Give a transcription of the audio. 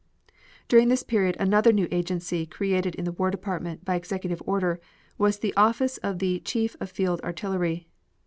During this period another new agency created in the War Department by Executive order was the office of the Chief of Field Artillery.